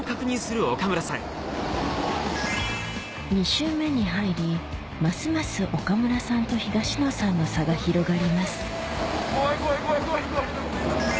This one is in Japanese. ２周目に入りますます岡村さんと東野さんの差が広がります怖い怖い怖い怖い怖い！